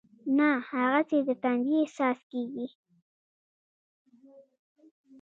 نه هغسې د تندې احساس کېږي.